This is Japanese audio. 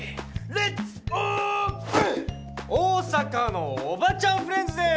大阪のおばちゃんフレンズです。